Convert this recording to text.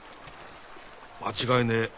間違いねえ。